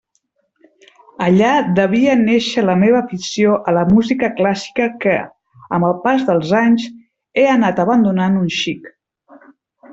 Allà devia néixer la meva afició a la música clàssica que, amb el pas dels anys, he anat abandonant un xic.